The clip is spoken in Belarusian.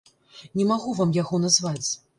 Не магу вам яго назваць.